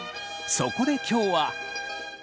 そこで今日は。